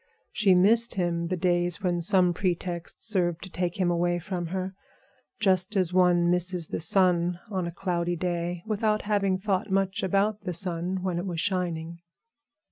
She missed him the days when some pretext served to take him away from her, just as one misses the sun on a cloudy day without having thought much about the sun when it was shining.